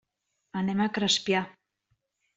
Anem a Crespià.